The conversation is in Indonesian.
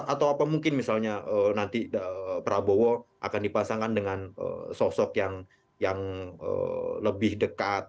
atau apa mungkin misalnya nanti prabowo akan dipasangkan dengan sosok yang lebih dekat